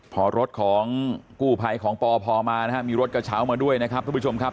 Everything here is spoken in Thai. พอรถของกู้ภัยของปพมานะฮะมีรถกระเช้ามาด้วยนะครับทุกผู้ชมครับ